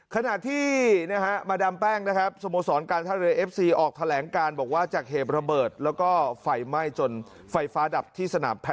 ขณะที่มาดามแป้งนะครับสโมสรการท่าเรือเอฟซีออกแถลงการบอกว่าจากเหตุระเบิดแล้วก็ไฟไหม้จนไฟฟ้าดับที่สนามแพท